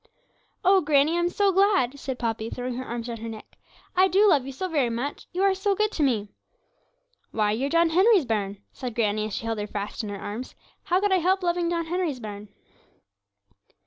'Oh, granny, I'm so glad!' said Poppy, throwing her arms around her neck 'I do love you so very much you are so good to me!' 'Why, you're John Henry's bairn,' said granny, as she held her fast in her arms 'how could I help loving John Henry's bairn?'